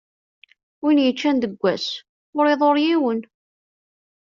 Win yeččan deg ass, ur iḍurr yiwen.